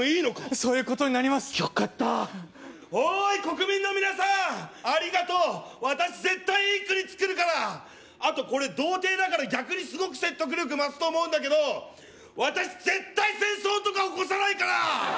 そういうことになりますよかったおい国民の皆さんありがとう私絶対いい国つくるからあとこれ童貞だから逆にすごく説得力増すと思うんだけど私絶対戦争とか起こさないから！